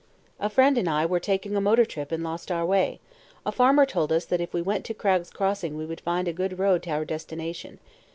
"A friend and I were taking a motor trip and lost our way. A farmer told us that if we went to Cragg's Crossing we would find a good road to our destination.